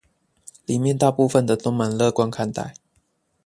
裡面大部分的都蠻樂觀看待